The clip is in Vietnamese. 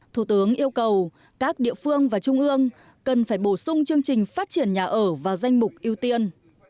thủ tướng yêu cầu các địa phương và trung ương cần phải bổ sung chương trình phát triển nhà ở vào danh mục ưu tiên